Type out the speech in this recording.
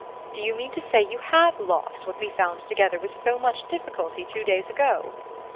"Do you mean to say you HAVE lost what we found together with so much difficulty two days ago?"